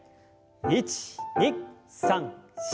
１２３４。